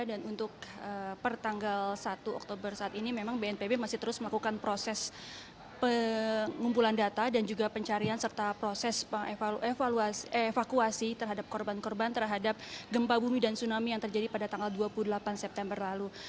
dan untuk per tanggal satu oktober saat ini memang bnpb masih terus melakukan proses pengumpulan data dan juga pencarian serta proses evaluasi terhadap korban korban terhadap gempa bumi dan tsunami yang terjadi pada tanggal dua puluh delapan september lalu